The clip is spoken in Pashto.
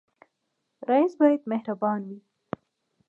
رئیس باید مهربان وي